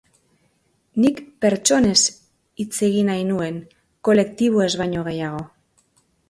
Nik pertsonez hitz egin nahi nuen, kolektiboez baino gehiago.